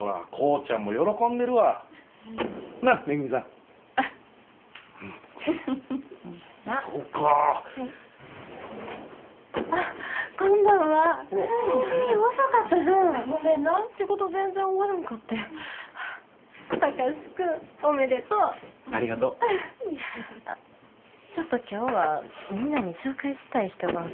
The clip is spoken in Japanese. ちょっと今日はみんなに紹介したい人がおって。